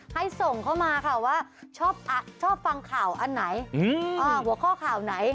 ให้ส่งเข้ามาค่ะว่าชอบฟังข่าวอันไหนหัวข้อข่าวไหน